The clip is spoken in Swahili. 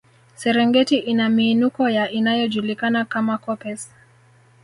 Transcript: Serengeti ina miinuko ya inayojulikana kama koppes